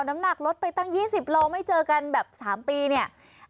น้ำหนักลดไปตั้ง๒๐โลไม่เจอกันแบบ๓ปีเนี่ย